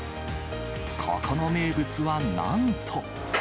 ここの名物はなんと。